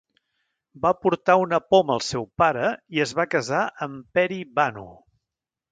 Va portar una poma al seu pare i es va casar amb Peri-Banu.